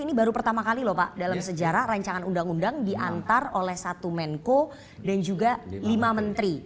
ini baru pertama kali lho pak dalam sejarah rancangan undang undang diantar oleh satu menko dan juga lima menteri